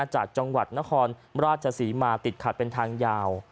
จากจังหวัดนครราชศรีมาติดขัดเป็นทางยาว